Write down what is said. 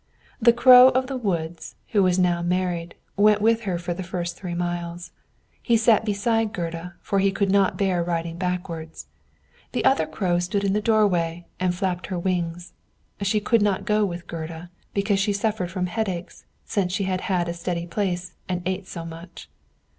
The Crow of the woods, who was now married, went with her for the first three miles. He sat beside Gerda, for he could not bear riding backward; the other Crow stood in the doorway, and flapped her wings; she could not go with Gerda, because she suffered from headache since she had had a steady place, and ate so much.